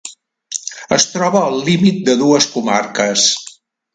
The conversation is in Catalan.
Es troba al límit de dues comarques.